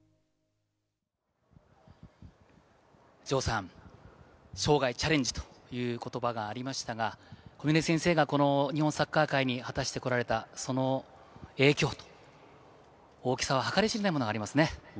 生涯チャレンジという言葉がありましたが、小嶺先生が日本サッカー界に果たしてこられたその影響、大きさは計り知れないものがありますね。